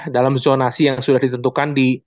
dalam zonasi yang sudah ditentukan di